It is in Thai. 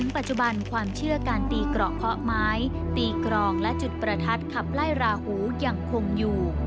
ปัจจุบันความเชื่อการตีเกราะเคาะไม้ตีกรองและจุดประทัดขับไล่ราหูยังคงอยู่